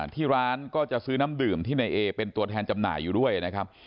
ที่ร้านก็จะซื้อน้ำดื่มที่ในเอเป็นตัวแทนจำหน่ายอยู่ด้วยนะครับ